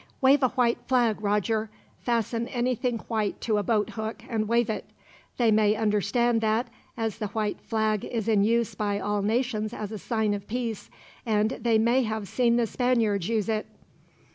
"Wave a white flag, Roger. Fasten anything white to a boat hook, and wave it. They may understand that, as the white flag is in use by all nations as a sign of peace, and they may have seen the Spaniards use it.